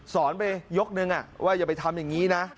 สอนไปยกนึงว่าอย่าไปทำอย่างนี้นะ